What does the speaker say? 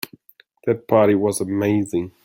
That party was amazing.